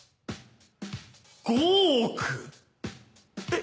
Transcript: ５億⁉えっ！